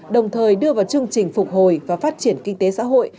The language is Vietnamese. đồng thời đưa vào chương trình phục hồi và phát triển kinh tế xã hội